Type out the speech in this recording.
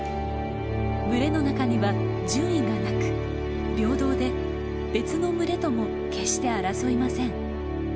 群れの中には順位がなく平等で別の群れとも決して争いません。